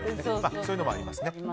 そういうのもありますね。